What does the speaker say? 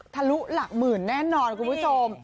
ลุหลักหมื่นแน่นอนคุณผู้ชม